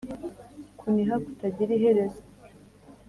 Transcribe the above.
kuniha kutagira iherezo,